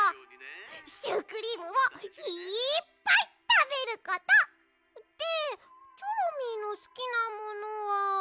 シュークリームをいっぱいたべること！でチョロミーのすきなものは。